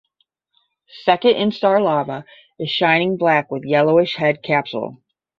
Second instar larva is shining black with yellowish head capsule.